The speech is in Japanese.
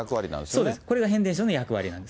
そうです、これが変電所の役割なんです。